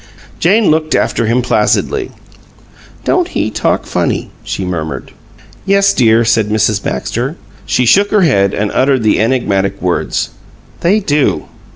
Jane looked after him placidly. "Didn't he talk funny!" she murmured. "Yes, dear," said Mrs. Baxter. She shook her head and uttered the enigmatic words, "They do."